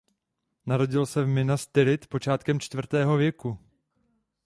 Narodil se v Minas Tirith počátkem čtvrtého věku.